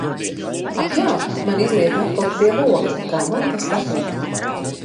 Ak jā, man izlietne atkal ir pie loga. Kā man tas patīk.